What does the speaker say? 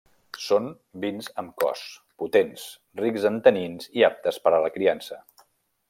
Són vins amb cos, potents, rics en tanins i aptes per a la criança.